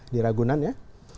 di ragunan ya